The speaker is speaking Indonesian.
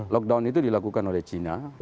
lockdown itu dilakukan oleh china